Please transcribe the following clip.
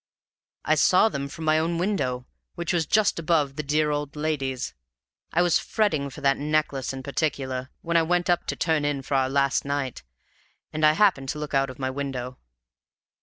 "I saw them from my own window, which was just above the dear old lady's. I was fretting for that necklace in particular, when I went up to turn in for our last night and I happened to look out of my window.